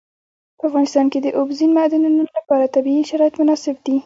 په افغانستان کې د اوبزین معدنونه لپاره طبیعي شرایط مناسب دي.